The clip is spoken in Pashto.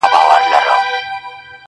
نارې د حق دي زیندۍ په ښار کي -